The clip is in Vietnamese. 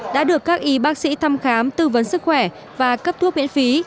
đã được các y bác sĩ thăm khám tư vấn sức khỏe và cấp thuốc miễn phí